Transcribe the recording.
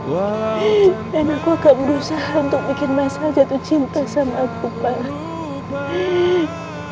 dan aku akan berusaha untuk bikin mas haja tercinta sama aku pak